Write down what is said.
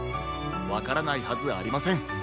わからないはずありません。